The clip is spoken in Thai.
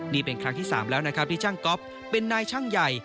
นี่เป็นครั้งที่๓แล้วนะครับที่ช่างก๊อฟเป็นนายช่างใหญ่